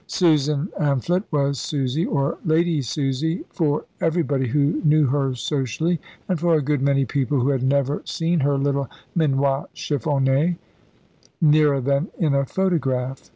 Susan Amphlett was Susie, or Lady Susie, for everybody who knew her socially; and for a good many people who had never seen her little minois chiffoné nearer than in a photograph.